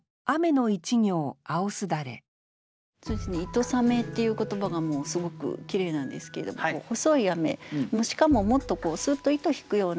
「糸雨」っていう言葉がすごくきれいなんですけれども細い雨しかももっとすっと糸引くような雨。